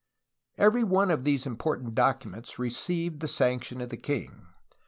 Every onte of these important documents received the sanction of the king.